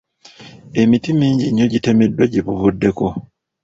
Emiti mingi nnyo gitemeddwa gye buvuddeko.